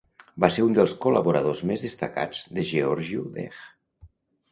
Va ser un dels col·laboradors més destacats de Gheorghiu-Dej.